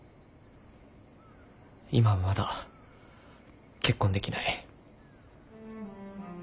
今はまだ結婚できない。